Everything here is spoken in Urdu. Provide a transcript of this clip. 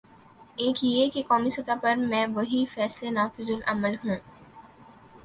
ایک یہ کہ قومی سطح میں وہی فیصلے نافذالعمل ہوں۔